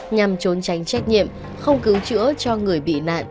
nhằm trốn tránh trách nhiệm không cứu chữa cho người bị nạn